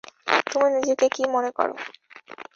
তুমি নিজেকে কী মনে কর?